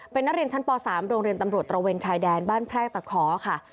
เป็นนักเรียนชั้นป๓โรงเรียนตำรวจตระเวนชายแดนบ้านแพรกตะขอค่ะ